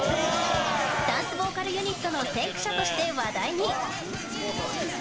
ダンスボーカルユニットの先駆者として話題に。